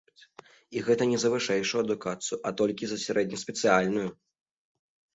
І гэта не за вышэйшую адукацыю, а толькі сярэднеспецыяльную!